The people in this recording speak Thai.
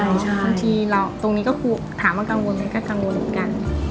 บางทีเราตรงนี้ก็ถามว่ากังวลกัน